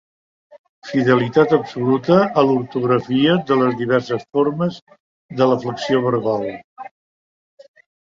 Fidelitat absoluta a l’ortografia de les diverses formes de la flexió verbal.